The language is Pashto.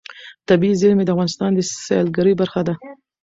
طبیعي زیرمې د افغانستان د سیلګرۍ برخه ده.